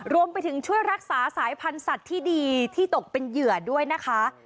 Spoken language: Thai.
รวมไปถึงช่วยรักษาสายพันธุ์สัตว์ที่ดีที่ตกเป็นเหยื่อด้วยนะคะ